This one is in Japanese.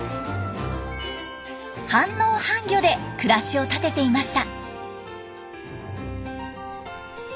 半農半漁で暮らしを立てていました。